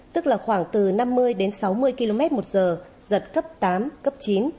tức là khoảng từ năm mươi đến sáu mươi km một giờ giật cấp tám cấp chín